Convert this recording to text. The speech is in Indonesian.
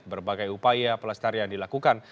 berbagai upaya pelestarian dilakukan